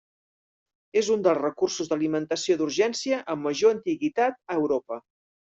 És un dels recursos d'alimentació d'urgència amb major antiguitat a Europa.